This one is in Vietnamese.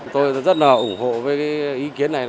tôi rất là ủng hộ với cái ý kiến này